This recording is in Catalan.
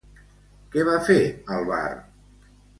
Què va fer al bar?